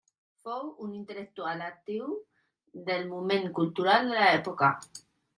Fou un intel·lectual actiu del moment cultural de l'època.